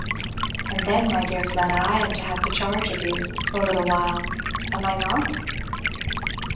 "And then, my dear Fleda, I am to have the charge of you for a little while am I not?"